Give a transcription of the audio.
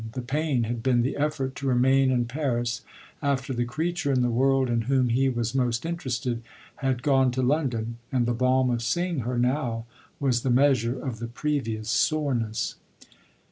The pain had been the effort to remain in Paris after the creature in the world in whom he was most interested had gone to London, and the balm of seeing her now was the measure of the previous soreness.